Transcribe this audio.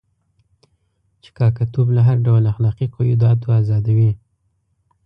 چې کاکه توب له هر ډول اخلاقي قیوداتو آزادوي.